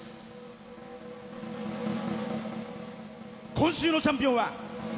今週のチャンピオンは。